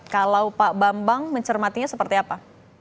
kalau pak bambang mencermatinya seperti apa